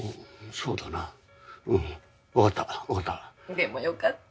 でもよかった。